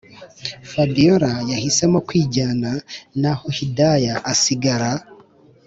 fabiora yahisemo kwijyana, naho hidaya asigara